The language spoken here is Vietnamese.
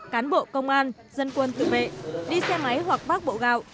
cán bộ công an dân quân tự vệ đi xe máy hoặc bác bộ gạo